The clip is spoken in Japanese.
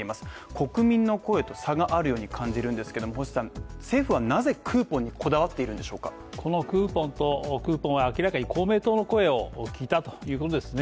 国民の声と差があるように感じるんですけども星さん、政府はなぜクーポンにこだわっているんでしょうかクーポンは明らかに公明党の声を聞いたということですね